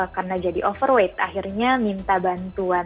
karena jadi overweight akhirnya minta bantuan pihak televisi jepang